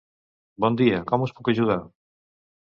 Bon dia, com us puc ajudar?